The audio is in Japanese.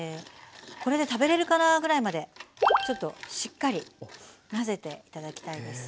これで食べれるかなぐらいまでちょっとしっかり混ぜて頂きたいです。